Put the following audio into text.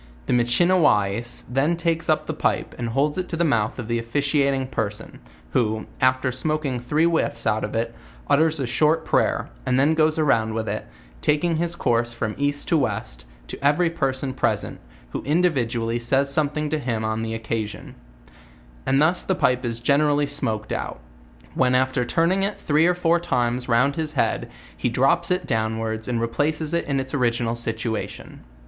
The Michiniwais then takes up the pipe' and holds it to the mouth of the officiating person, who, after smoking three whiifs out of it, utters a short prayer, and then goes around with it, taking his course from east to west, to every person present, who individually says something to him on the oc casion: and thus the pipe is generally smoked out; when af ter turning it three or four times round his head, he drops it downwards and replaces it in its original situation.